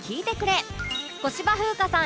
小芝風花さん